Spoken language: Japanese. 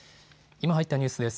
今入ったニュースです。